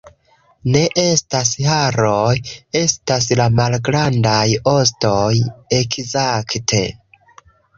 Ne estas haroj... estas la malgrandaj... ostoj, ekzakte